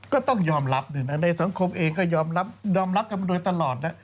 ก็ต้องยอมรับด้วยนะในสังคมเองก็ยอมรับกับมนุษย์ตลอดนะ